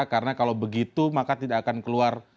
karena kalau begitu maka tidak akan keluar